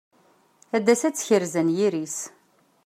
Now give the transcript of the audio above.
Ad d-tas ad tekrez anyir-is.